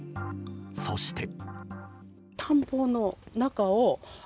そして。